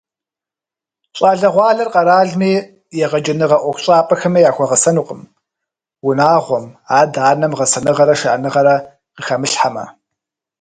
Щӏалэгъуалэр къэралми, егъэджэныгъэ ӏуэхущӏапӏэхэми яхуэгъэсэнукъым, унагъуэм, адэ-анэм гъэсэныгъэрэ шыӏэныгъэрэ къыхамылъхьэмэ.